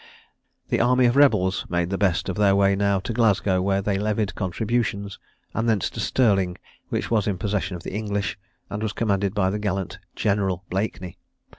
The army of rebels made the best of their way now to Glasgow, where they levied contributions, and thence to Stirling, which was in possession of the English, and was commanded by the gallant General Blakeney.